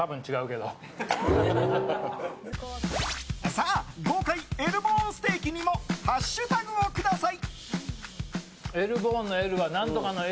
さあ豪快Ｌボーンステーキにもハッシュタグをください！